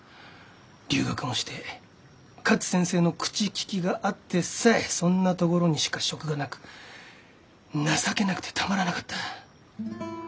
留学もして勝先生の口利きがあってさえそんなところにしか職がなく情けなくてたまらなかった。